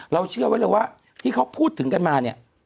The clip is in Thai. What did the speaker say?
เราเชื่อไว้เลยว่าที่เขาพูดถึงกันมา